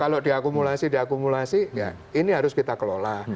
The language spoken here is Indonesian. kalau diakumulasi diakumulasi ya ini harus kita kelola